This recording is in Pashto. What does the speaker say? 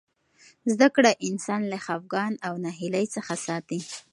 زده کړه انسان له خفګان او ناهیلۍ څخه ساتي.